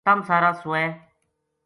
تم سارا سوئے